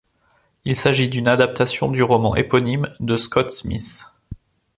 Il s'agit d'une adaptation du roman éponyme de Scott Smith.